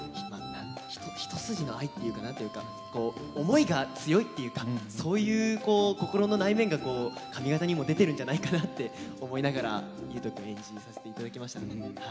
一筋の愛っていうか何て言うか思いが強いっていうかそういう心の内面が髪形にも出てるんじゃないかなって思いながら悠人君演じさせていただきましたね。